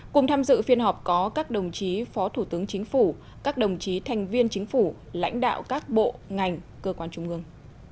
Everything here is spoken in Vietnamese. cùng tham dự phiên họp có các đồng chí phó thủ tướng chính phủ các đồng chí thành viên chính phủ lãnh đạo các bộ ngành cơ quan trung ương